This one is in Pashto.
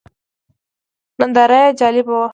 ننداره یې جالبه وه.